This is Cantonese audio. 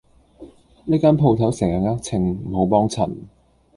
呢間舖頭成日呃秤，唔好幫襯